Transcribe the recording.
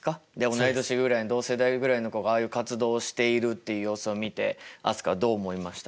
同い年ぐらいの同世代ぐらいの子がああいう活動をしているっていう様子を見て飛鳥はどう思いましたか？